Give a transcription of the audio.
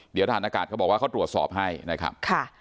เดี๋ยวทหารอากาศเขาบอกว่าเขาตรวจสอบให้นะครับ